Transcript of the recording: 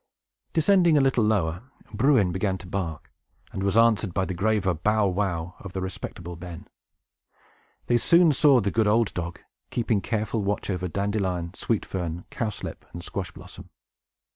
Descending a little lower, Bruin began to bark, and was answered by the graver bow wow of the respectable Ben. They soon saw the good old dog, keeping careful watch over Dandelion, Sweet Fern, Cowslip, and Squash Blossom.